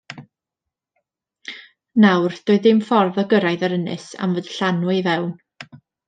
Nawr, doedd dim ffordd o gyrraedd yr ynys, am fod y llanw i fewn.